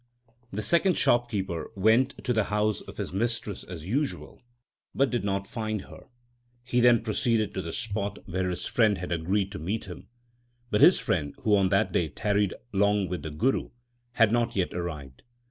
The second shopkeeper went to the house of his mistress as usual, but did not find her. He then proceeded to the spot where his : friend had agreed to meet him, but his friend, who on that day tarried long with the Guru, had not yet arrived.